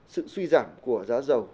sự suy giảm của giá giàu